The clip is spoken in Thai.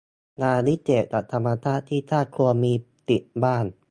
ยาวิเศษจากธรรมชาติที่ทาสควรมีติดบ้าน